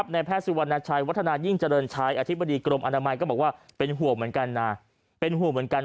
ในแพทย์สิวรรณชัยวัฒนายิ่งเจริญชัยอธิบดีกรมอนามัยก็บอกว่าเป็นห่วงเหมือนกัน